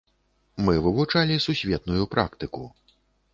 Мы вывучалі сусветную практыку.